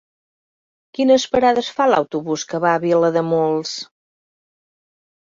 Quines parades fa l'autobús que va a Vilademuls?